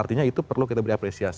jadi itu perlu kita berapresiasi